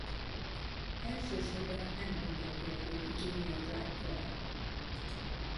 Elsősorban a templomba igyekvők igényeit látja el.